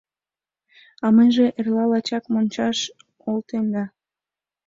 А мыйже эрла лачак мончаш олтем да...